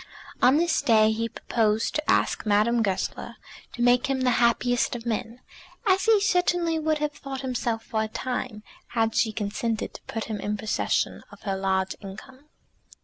On this day he proposed to ask Madame Goesler to make him the happiest of men, as he certainly would have thought himself for a time, had she consented to put him in possession of her large income.